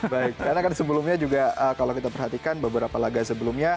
baik karena kan sebelumnya juga kalau kita perhatikan beberapa laga sebelumnya